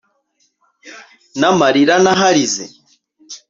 N'amalira nahalize